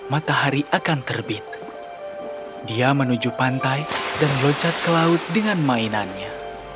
matahari akan terbit dia menuju pantai dan locat ke laut dengan mainannya